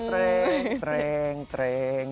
เตรงเตรงเตรง